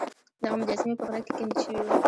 دغه مجسمې په غره کې کیندل شوې وې